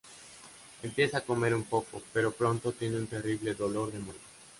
Empieza a comer un poco, pero pronto tiene un terrible dolor de muelas.